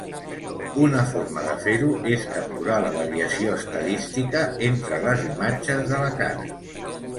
Una forma de fer-ho és capturar la variació estadística entre les imatges de la cara.